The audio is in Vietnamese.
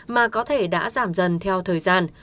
mà có thể đã giảm dần theo thời gian